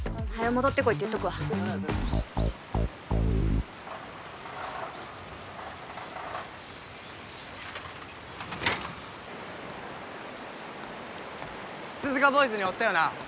戻ってこいって言っとくわ鈴鹿ボーイズにおったよな？